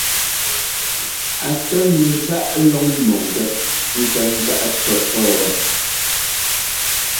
A tɔ́ nɛ záꞌ lɔ́ŋ-mɔ̂ŋgɛ́p ńtɔ́ ńzáꞌ tɔ́pɔ́ wɛ.